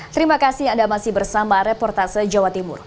terima kasih anda masih bersama reportase jawa timur